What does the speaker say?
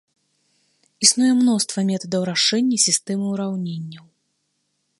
Існуе мноства метадаў рашэння сістэмы ўраўненняў.